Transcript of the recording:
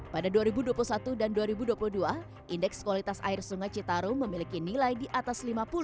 pada dua ribu dua puluh satu dan dua ribu dua puluh dua indeks kualitas air sungai citarum memiliki nilai di atas lima puluh